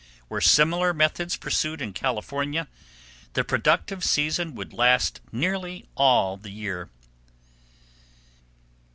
Were similar methods pursued in California the productive season would last nearly all the year.